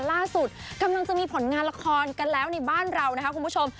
ล่าสุดกำลังจะมีผลงานละครกันแล้วในบ้านเรานะคะคุณผู้ชม